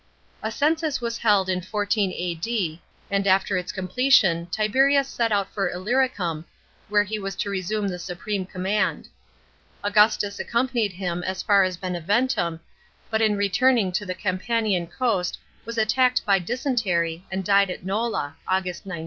A census was held in 14 A.D., and after its completion Tiberius set out for Illyricum, where he was to resume the supreme com mand. Augu. tus accompanied him as lar as Beneventum, but in returning to t e Campanian cotst was attacked by dysentery and died at Nola (August 19).